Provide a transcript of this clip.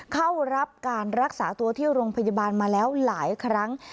เข้ารับการรักษาตัวที่โรงพยาบาลมาแล้วหลายครั้ง